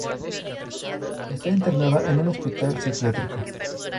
Está internada en un hospital psiquiátrico.